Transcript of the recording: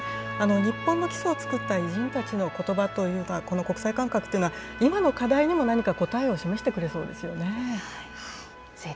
日本の基礎を作った偉人たちのことばというのは、この国際感覚というのは、今の課題にも何か答えを示してくれそうですよね。